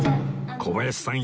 小林さん